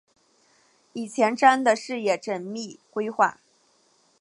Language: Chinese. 以前瞻的视野缜密规划